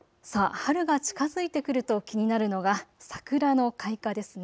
春が近づいてくると気になるのが桜の開花ですね。